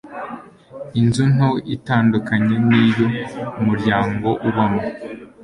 inzu nto itandukanye n'iyo umuryango ubamo